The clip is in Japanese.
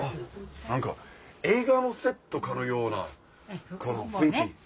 何か映画のセットかのようなこの雰囲気。